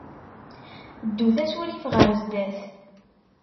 Ddut asurif ɣer sdat.